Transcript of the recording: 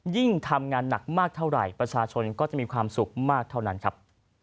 ทำงานหนักมากเท่าไหร่ประชาชนก็จะมีความสุขมากเท่านั้นครับ